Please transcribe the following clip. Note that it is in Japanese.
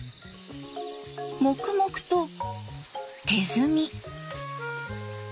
黙々と手摘み。